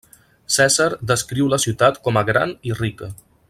Cèsar descriu la ciutat com a gran i rica.